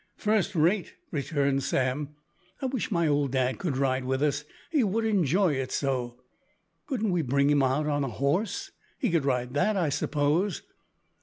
"First rate," returned Sam, "I wish my old dad could ride with us. He would enjoy it so." "Couldn't we bring him out on a horse? He could ride that, I suppose?"